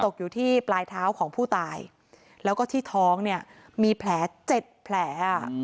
ตกอยู่ที่ปลายเท้าของผู้ตายแล้วก็ที่ท้องเนี่ยมีแผล๗แผล